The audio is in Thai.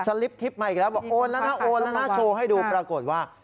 ลิปทิพย์มาอีกแล้วบอกโอนแล้วนะโอนแล้วนะโชว์ให้ดูปรากฏว่า